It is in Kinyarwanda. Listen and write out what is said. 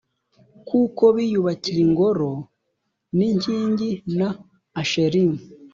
kuko biyubakiye ingoro n’inkingi na Asherimu